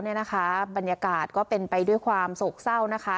เนี่ยนะคะบรรยากาศก็เป็นไปด้วยความโศกเศร้านะคะ